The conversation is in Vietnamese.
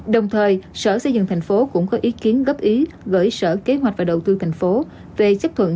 đồng thời sở xây dựng tp hcm cũng có ý kiến góp ý gửi sở kế hoạch và đầu tư tp hcm về chấp thuận